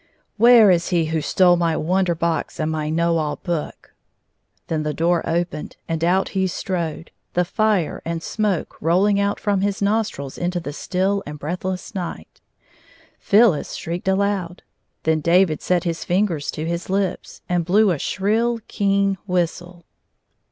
" Where is he who stole my Wonder Box and my Know All Book 1 " Then the door opened, and out he strode, the fire and smoke rolling out from his nostrils into the still and hreathless night. PhyUis shrieked aloud. Then David set his fingers to his lips, and hlew a shrill, keen whistle.